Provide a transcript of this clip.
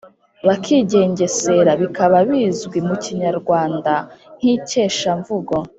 bakigengesera, bikaba bizwi mu Kinyarwanda nk’Ikeshamvugo.